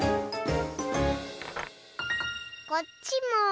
こっちも。